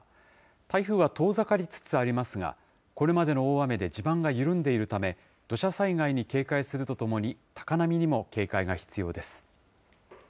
台風は遠ざかりつつありますが、これまでの大雨で地盤が緩んでいるため、土砂災害に警戒するとともに、高波にも警戒が必要です。